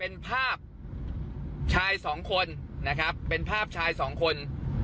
เป็นภาพชายสองคนนะครับเป็นภาพชายสองคน